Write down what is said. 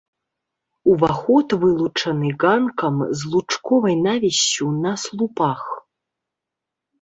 Уваход вылучаны ганкам з лучковай навіссю на слупах.